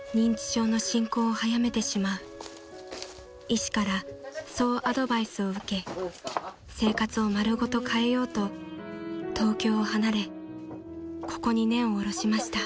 ［医師からそうアドバイスを受け生活を丸ごと変えようと東京を離れここに根を下ろしました］